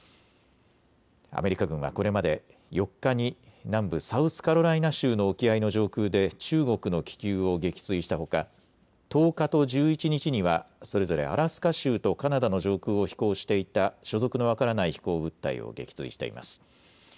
アメリカ軍はこれまで４日に南部サウスカロライナ州の沖合の上空で中国の気球を撃墜したほか１０日と１１日にはそれぞれアラスカ州とカナダの上空を飛行していた所属の分からない飛行物体を撃墜しています。